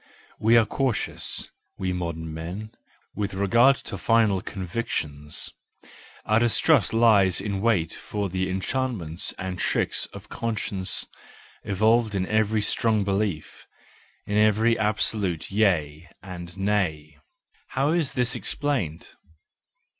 —We are cautious, we modern men, with regard to final convictions, our distrust lies in wait for the enchantments and tricks of conscience involved in every strong belief, in every absolute Yea and Nay: how is this explained?